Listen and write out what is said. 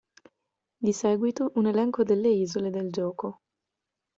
Di seguito un elenco delle isole del gioco.